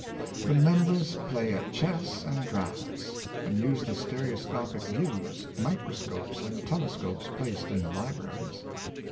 The members play at chess and draughts, and use the steroscopic views, microscopes, and telescopes placed in the libraries.